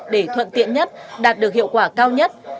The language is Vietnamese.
để thuận tiện nhất đạt được hiệu quả cao nhất